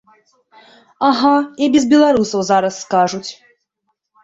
Ага, і без беларусаў, зараз скажуць!